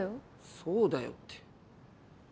そうだよって。